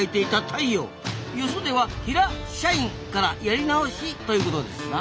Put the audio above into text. よそでは平「社員」からやり直しということですな。